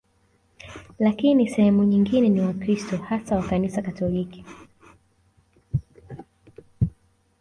Lakini sehemu nyingine ni Wakristo hasa wa Kanisa Katoliki